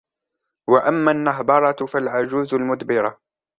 وَأَمَّا النَّهْبَرَةُ فَالْعَجُوزُ الْمُدْبِرَةُ